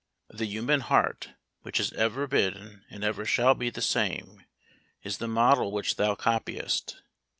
The human heart, which has ever been and ever shall be the same, is the model which thou copiest.